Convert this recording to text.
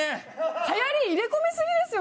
流行り入れ込みすぎですよ